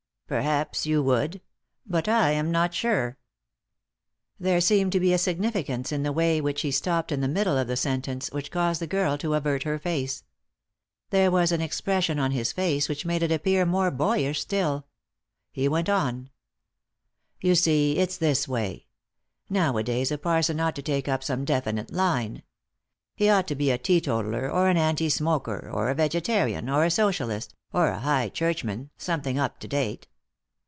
" Perhaps you would ; but I am not sure " There seemed to be a significance in the way in which he stopped in the middle of the sentence which caused the girl to avert her face. There was an expression on his face which made it appear more boyish still. He went on. 82 3i 9 iii^d by Google THE INTERRUPTED KISS " You see it's this way ; nowadays a parson ought to take up some definite line. He ought to be a teeto taller or an anti smoker, or a vegetarian, or a Socialist, or a High Churchman, something up to date.